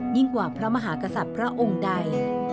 กว่าพระมหากษัตริย์พระองค์ใด